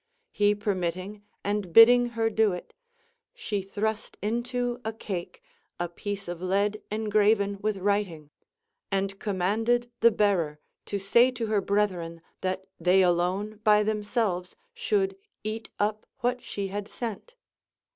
lie permitting and bidding her do it, she thrust into a cake a piece of lead engraven with writhig, and commanded the bearer to say to her brethi en that they alone by themselves should eat up Avhat she had sent.